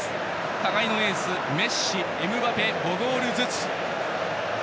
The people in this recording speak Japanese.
互いのエースメッシ、エムバペ、５ゴールずつ。